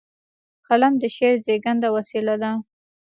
قلم د شعر زیږنده وسیله ده.